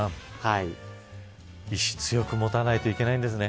意思、強く持たないといけないんですね。